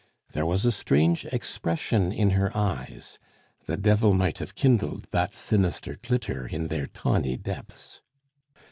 There was a strange expression in her eyes; the devil might have kindled that sinister glitter in their tawny depths.